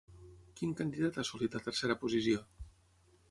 Quin candidat ha assolit la tercera posició?